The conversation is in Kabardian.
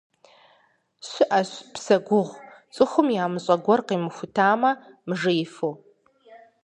Щыӏэщ псэ гугъу, цӏыхум ямыщӏэ гуэр къимыхутамэ, мыжеифу.